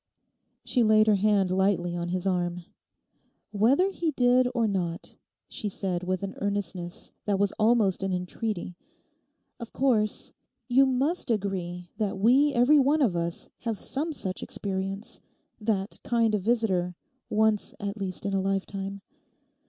She laid her hand lightly on his arm. 'Whether he did or not,' she said with an earnestness that was almost an entreaty, 'of course, you must agree that we every one of us have some such experience—that kind of visitor, once at least, in a lifetime.